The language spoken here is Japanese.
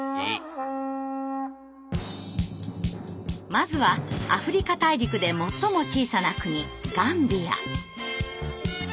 まずはアフリカ大陸で最も小さな国ガンビア。